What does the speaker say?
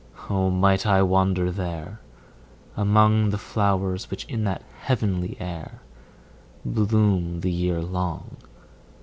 O might I wander there, Among the flowers, which in that heavenly air 5 Bloom the year long!